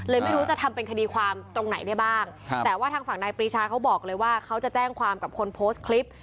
ไม่รู้จะทำเป็นคดีความตรงไหนได้บ้างแต่ว่าทางฝั่งนายปรีชาเขาบอกเลยว่าเขาจะแจ้งความกับคนโพสต์คลิป